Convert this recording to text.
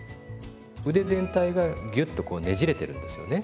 腕全体がギュッとこうねじれてるんですよね。